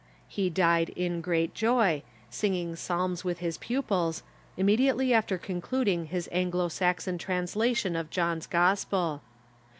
He died in great joy, sing ing psalms with his pupils, immediately after concluding his Anglo Saxon translation of John's gospel.